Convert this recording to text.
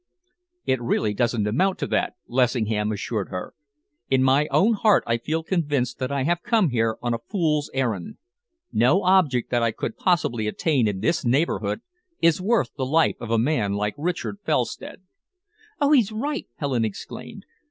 "It really doesn't amount to that," Lessingham assured her. "In my own heart I feel convinced that I have come here on a fool's errand. No object that I could possibly attain in this neighbourhood is worth the life of a man like Richard Felstead." "Oh, he's right!" Helen exclaimed.